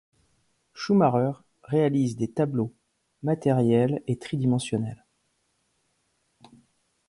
Schumacher réalise des tableaux matériels et tridimensionnels.